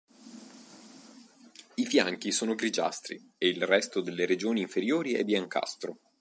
I fianchi sono grigiastri e il resto delle regioni inferiori è biancastro.